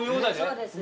そうです。